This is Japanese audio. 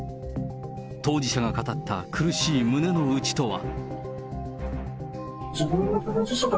当事者が語った苦しい胸の内とは。